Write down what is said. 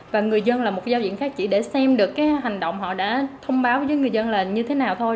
và người dân là một giao diện khác chỉ để xem được cái hành động họ đã thông báo với người dân là như thế nào thôi